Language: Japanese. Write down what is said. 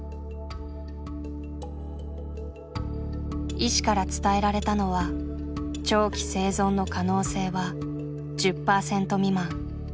医師から伝えられたのは「長期生存の可能性は１０％未満」。